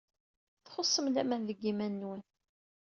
Txuṣṣem laman deg yiman-nwen.